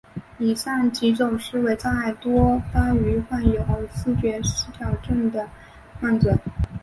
以上几种思维障碍多发于患有思觉失调症的患者。